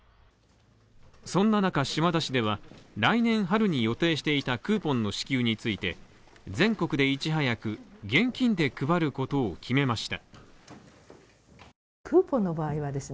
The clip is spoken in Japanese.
そんな中、島田市では、来年春に予定していたクーポンの支給について、全国でいち早く現金で配ることを決めました。